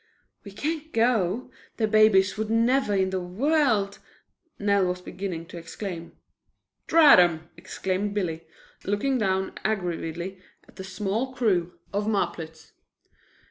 "We can't go the babies would never in the world " Nell was beginning to exclaim. "Drat 'em!" exclaimed Billy, looking down aggrievedly at the small crew of marplots.